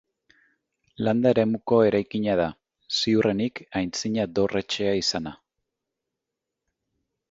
Landa eremuko eraikina da, ziurrenik aitzina dorretxea izana.